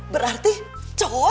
berarti cocok pak